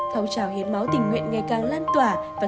thông trào hiến máu tình nguyện ngày càng lan tươi